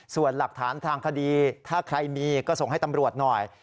ส่วนหลักฐานทางคดีถ้าใครมีก็ส่งให้ตำรวจหน่อย